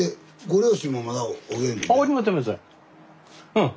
うん。